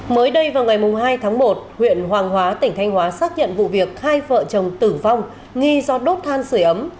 mới đây vào ngày hai tháng một huyện hoàng hóa tỉnh thanh hóa xác nhận vụ việc hai vợ chồng tử vong nghi do đốt than sửa ấm